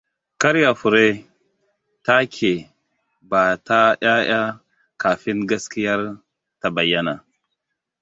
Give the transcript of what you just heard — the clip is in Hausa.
Ƙarya fure take ba ta 'ƴa'ƴa kafin gaskiyar ta bayyana.